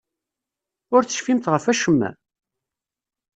Ur tecfimt ɣef wacemma?